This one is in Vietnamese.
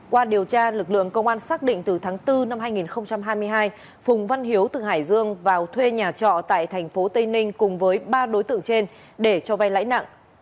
qua điều tra lực lượng công an xác định từ tháng bốn năm hai nghìn hai mươi hai phùng văn hiếu từ hải dương vào thuê nhà trọ tại tp tây ninh cùng với ba đối tượng trên để cho vay lãi nặng